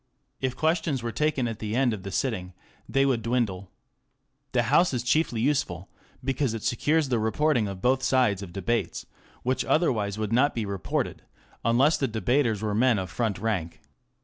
If questions were taken at the end of the sitting they would dwindle. The House is chiefly useful because it secures the reporting of both sides of debates, which otherwise would not be reported, unless the debaters were men of front rank.